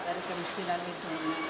dari kemiskinan itu